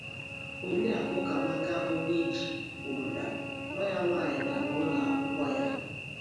Oriakụ Ụkamaka Onyeji kwùrù na nwa ya nwaanyị làrà ụlọ akwụkwọ ya